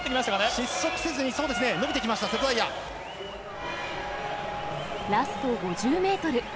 失速せずに、伸びてきました、ラスト５０メートル。